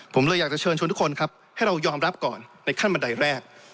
ผมเลยอยากจะเชิญชวนทุกคนครับให้เรายอมรับก่อนในขั้นบันไดแรก